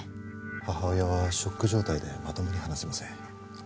母親はショック状態でまともに話せません。